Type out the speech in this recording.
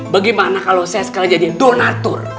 bagaimana kalau saya sekarang jadi donatur